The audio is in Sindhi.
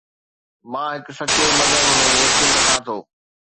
مان هڪ سچي مذهب ۾ يقين رکان ٿو